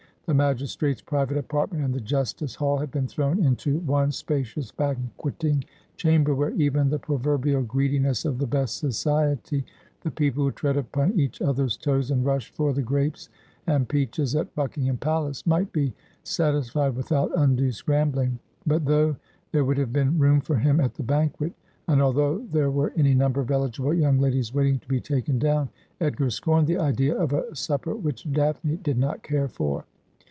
The magistrate's private apartment and the justice hall had been thrown into one spacious banqueting chamber, where even the proverbial greedi ness of the best society — the people who tread upon each other's toes and rush for the grapes and peaches at Buckingham Palace — might bo satisfied without undue scrambling. But though there would have been room for him at the banquet, and although there were any number of eligible young ladies wait ing to be taken down, Edgar scorned the idea of a supper which Daphne did not care for.